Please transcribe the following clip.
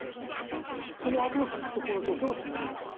このあともずっとこの状況が続くんですか？